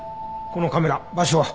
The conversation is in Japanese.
このカメラ場所は？